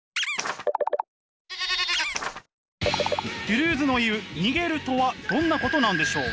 ドゥルーズの言う「逃げる」とはどんなことなんでしょう？